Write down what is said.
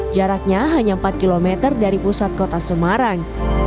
jaraknya hanya empat km dari pusat kota semarang